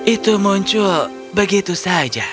itu muncul begitu saja